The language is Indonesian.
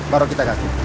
baru kita ganti